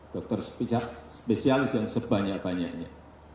dokter spesialis yang sebanyak banyaknya